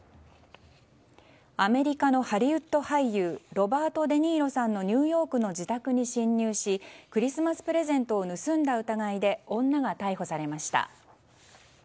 アメリカのハリウッド俳優ロバート・デ・ニーロさんのニューヨークの自宅に侵入しクリスマスプレゼントを盗んだ疑いで女が逮捕されました。